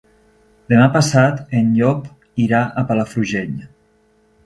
Demà passat en Llop irà a Palafrugell.